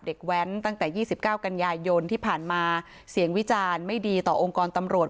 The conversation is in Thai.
แว้นตั้งแต่๒๙กันยายนที่ผ่านมาเสียงวิจารณ์ไม่ดีต่อองค์กรตำรวจ